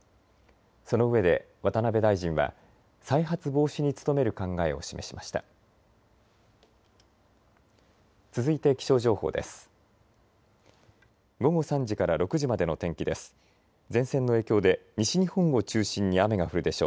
そのうえで渡辺大臣は再発防止に努める考えを示しました。